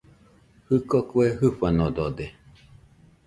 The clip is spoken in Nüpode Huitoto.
Jɨko kue jɨfanodode